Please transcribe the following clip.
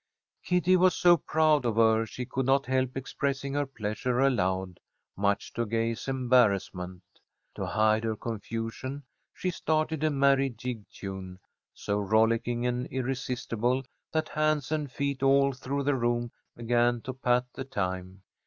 Kitty was so proud of her she could not help expressing her pleasure aloud, much to Gay's embarrassment. To hide her confusion, she started a merry jig tune, so rollicking and irresistible that hands and feet all through the rooms began to pat the time.